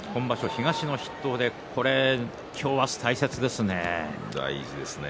東の筆頭で今日明日、大事ですね。